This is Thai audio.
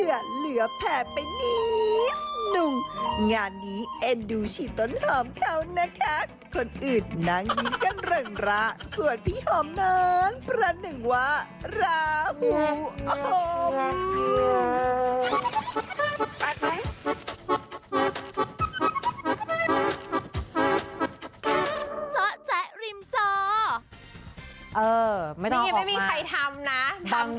เออไม่ต้องออกมานี่ยังไม่มีใครทำนะทำเอง